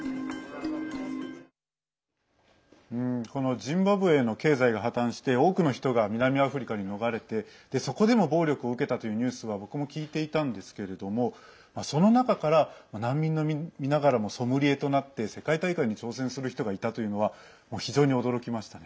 ジンバブエの経済が破綻して多くの人が南アフリカに逃れてそこでも暴力を受けたというニュースは僕も聞いていたんですけれどもその中から、難民の身ながらもソムリエとなって世界大会に挑戦する人がいたというのは非常に驚きましたね。